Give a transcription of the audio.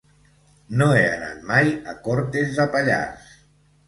No he anat mai a Cortes de Pallars.